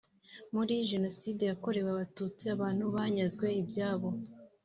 muri jenoside yakorewe Abatutsi abantu banyazwe ibyabo